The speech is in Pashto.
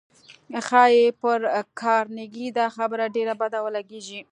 ښایي پر کارنګي دا خبره ډېره بده ولګېږي